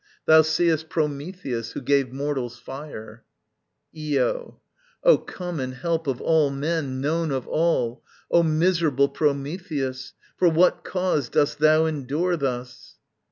Thou seest Prometheus, who gave mortals fire. Io. O common Help of all men, known of all, O miserable Prometheus, for what cause Dost thou endure thus?